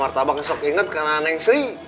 martabak sok inget karena neng sri